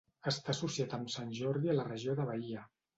Està associat amb Sant Jordi a la regió de Bahia.